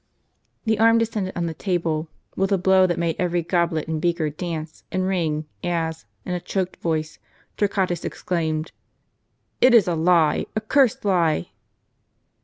"* The arm descended on the table, with a blow that made every goblet and beaker dance and ring, as, in a choked voice, Torquatus exclaimed :" It is a lie ! a cursed lie